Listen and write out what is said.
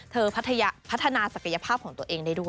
พัฒนาศักยภาพของตัวเองได้ด้วย